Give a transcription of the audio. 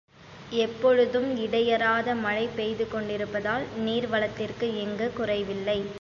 எப்பொழுதும் இடையறாத மழை பெய்து கொண்டிருப்பதால், நீர் வளத்திற்கு இங்கு குறைவில்லை.